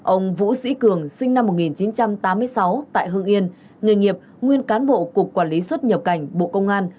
ông vũ sĩ cường sinh năm một nghìn chín trăm tám mươi sáu tại hương yên nghề nghiệp nguyên cán bộ cục quản lý xuất nhập cảnh bộ công an